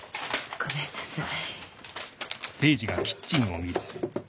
ごめんなさい。